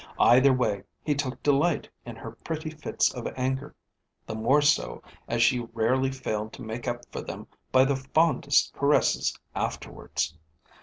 Either way, he took delight in her pretty fits of anger; the more so as she rarely failed to make up for them by the fondest caresses afterwards.